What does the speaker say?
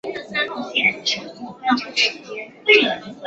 日本潜艇所击沉的商船吨位中四成是该种艇创下。